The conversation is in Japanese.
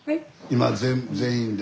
今全員で。